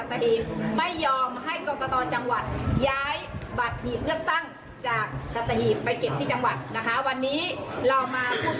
แต่เราก็ไม่ได้เจอใครเลยที่เป็นตัวแทนของ